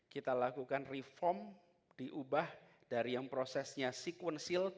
kita lakukan reform diubah dari yang prosesnya sequencil